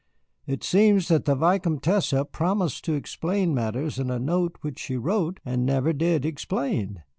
It seems that the Vicomtesse promised to explain matters in a note which she wrote, and never did explain.